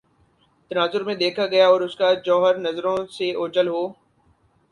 تناظرمیں دیکھا گیا اور اس کا جوہرنظروں سے اوجھل ہو